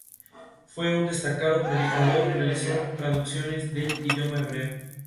Fue un destacado predicador y realizó traducciones del idioma hebreo.